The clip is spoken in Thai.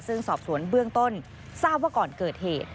ซึ่งสอบสวนเบื้องต้นทราบว่าก่อนเกิดเหตุ